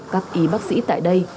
các y bác sĩ tại đây